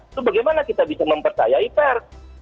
itu bagaimana kita bisa mempercayai pers